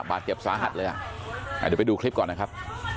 บาดเจ็บสาหัสเลยอ่ะเดี๋ยวไปดูคลิปก่อนนะครับ